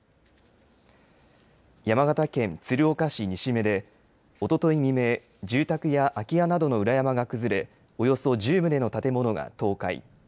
山形県鶴岡市西目でおととい未明、住宅や空き家などの裏山が崩れ、およそ１０棟の建物が倒壊。